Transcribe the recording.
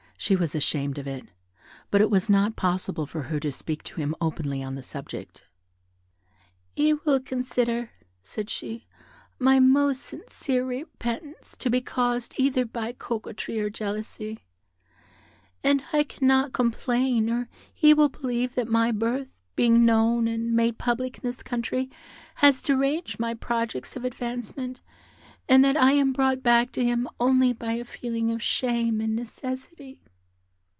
She was ashamed of it, but it was not possible for her to speak to him openly on the subject. "He will consider," said she, "my most sincere repentance to be caused either by coquetry or jealousy; and I cannot complain, or he will believe that my birth being known and made public in this country, has deranged my projects of advancement, and that I am brought back to him only by a feeling of shame and necessity."